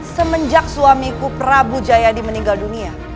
semenjak suamiku prabu jayadi meninggal dunia